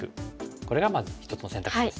これがまず一つの選択肢です。